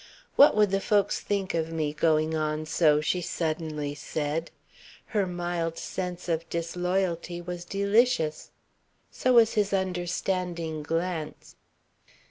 "What would the folks think of me, going on so?" she suddenly said. Her mild sense of disloyalty was delicious. So was his understanding glance.